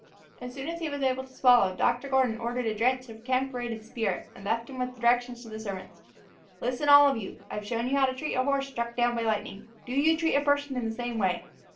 As soon as he was able to swallow, Dr. Gordon ordered a drench of camphorated spirit, and left him with directions to the servants. "Listen all of you. I have shown you how to treat a horse struck down by lightning. Do you treat a person in the same way.